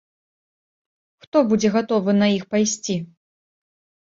Хто будзе гатовы на іх пайсці?